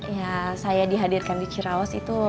ya saya dihadirkan di cirawas itu